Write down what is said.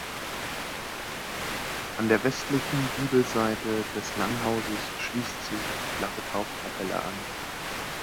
An der westlichen Giebelseite des Langhauses schließt sich die flache Taufkapelle an.